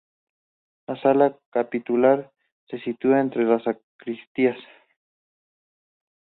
La sala capitular se sitúa entre las sacristías.